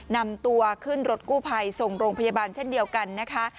นำตัวขึ้นรถกู้ภัยส่งโรงพยาบาลเช่นเดียวกันนะคะ